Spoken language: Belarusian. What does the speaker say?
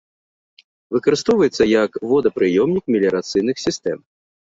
Выкарыстоўваецца як водапрыёмнік меліярацыйных сістэм.